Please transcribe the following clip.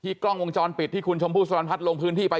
กล้องวงจรปิดที่คุณชมพู่สรรพัฒน์ลงพื้นที่ไป